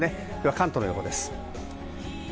関東の予報です。